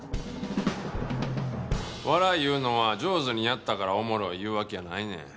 笑いいうのは上手にやったからおもろいいうわけやないねん。